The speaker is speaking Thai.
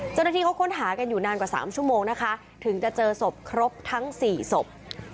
เจ้าหน้าที่เขาค้นหากันอยู่นานกว่า๓ชั่วโมงนะคะถึงจะเจอศพครบทั้ง๔ศพ